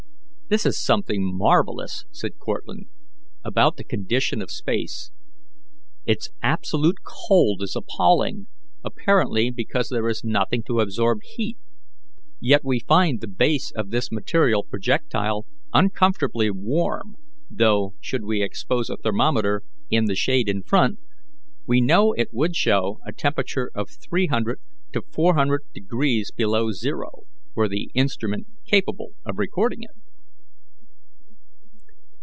"There is something marvellous," said Cortlandt, "about the condition of space. Its absolute cold is appalling, apparently because there is nothing to absorb heat; yet we find the base of this material projectile uncomfortably warm, though, should we expose a thermometer in the shade in front, we know it would show a temperature of three hundred to four hundred degrees below zero were the instrument capable of recording it."